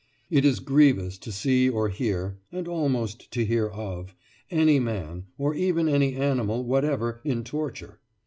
It is grievous to see or hear (and almost to hear of) any man, or even any animal whatever, in torture."